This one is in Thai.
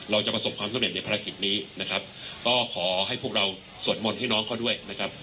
ประสบความสำเร็จในภารกิจนี้นะครับก็ขอให้พวกเราสวดมนต์ให้น้องเขาด้วยนะครับ